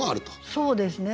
そうですね。